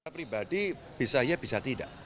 pribadi bisa ya bisa tidak